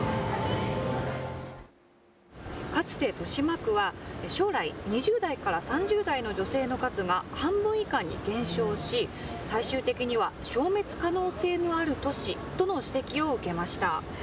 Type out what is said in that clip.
かつて豊島区は将来２０代から３０代の女性の数が半分以下に減少し最終的には消滅可能性のある都市との指摘を受けました。